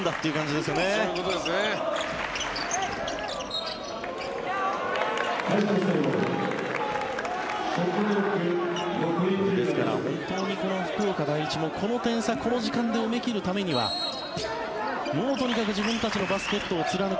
ですから、本当に福岡第一もこの点差、この時間で決め切るためにはもうとにかく自分たちのバスケットを貫く。